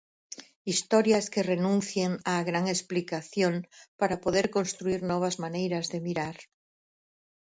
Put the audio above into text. Historias que renuncien á gran explicación para poder construír novas maneiras de mirar.